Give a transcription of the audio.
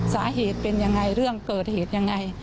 สาเหตุเป็นยังไงเรื่องเกิดเหตุยังไง